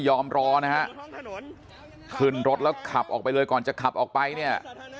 รอนะฮะขึ้นรถแล้วขับออกไปเลยก่อนจะขับออกไปเนี่ย